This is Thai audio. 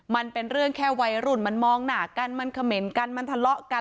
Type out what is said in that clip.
มันเป็นเรื่องแค่วัยรุ่นมันมองหน้ากันมันเขม่นกันมันทะเลาะกัน